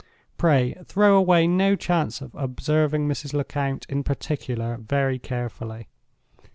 Pray throw away no chance of observing Mrs. Lecount, in particular, very carefully.